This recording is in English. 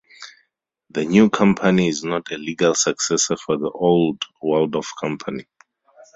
The new company is not a legal successor for the old Waldorf company.